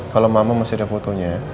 kalau mama masih ada fotonya